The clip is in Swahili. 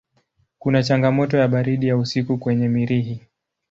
Kuna changamoto ya baridi ya usiku kwenye Mirihi.